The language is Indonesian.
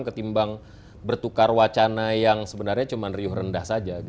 ketimbang bertukar wacana yang sebenarnya cuma riuh rendah saja